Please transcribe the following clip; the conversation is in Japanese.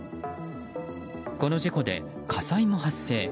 この事故で火災も発生。